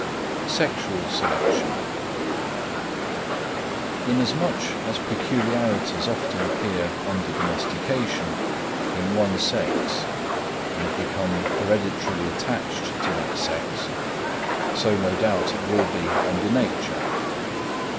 Sexual Selection. Inasmuch as peculiarities often appear under domestication in one sex and become hereditarily attached to that sex, so no doubt it will be under nature.